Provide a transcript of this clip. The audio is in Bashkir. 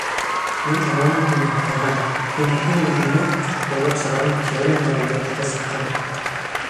Мин аңланым һине, Йыһан, һиңә иң мөһиме, уйлап сығарған теорияң ғына дөрөҫкә сыҡһын!